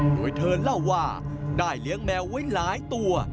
โดยเธอเล่าว่าได้เลี้ยงแมวไว้หลายตัว